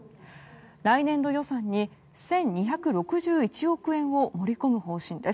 来年度予算に１２６１億円を盛り込む方針です。